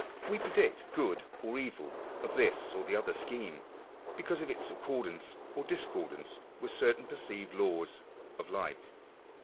We predict good or evil of this or the other scheme, because of its accordance or discordance with certain perceived laws of life.